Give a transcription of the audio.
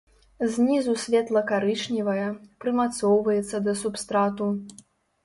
Знізу светла-карычневая, прымацоўваецца да субстрату.